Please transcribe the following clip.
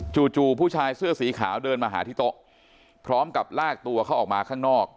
จู่ผู้ชายเสื้อสีขาวเดินมาหาที่โต๊ะพร้อมกับลากตัวเขาออกมาข้างนอก